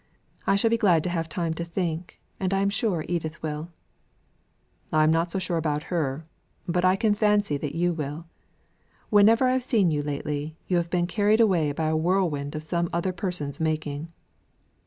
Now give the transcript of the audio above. I shall be glad to have time to think, and I am sure Edith will." "I am not so sure about her, but I can fancy that you will. Whenever I have seen you lately, you have been carried away by a whirlwind of some other person's making."